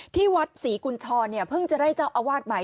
ที่วัดศรีกุญชรเนี่ยเพิ่งจะได้เจ้าอาวาสใหม่